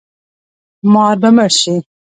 مار به مړ شي